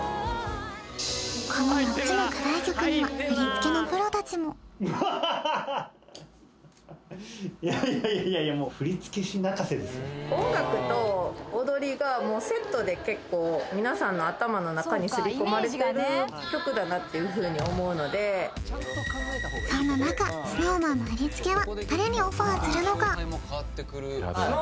この４つの課題曲には振付のプロたちもハハハハいやいやいやもう音楽と踊りがもうセットで結構皆さんの頭の中に刷り込まれてる曲だなっていうふうに思うのでそんな中ＳｎｏｗＭａｎの振付は誰にオファーするのか？